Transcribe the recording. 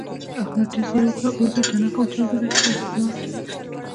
احمد ډېر زیار وکيښ اوس يې تڼاکه وچاوده او ولاړ.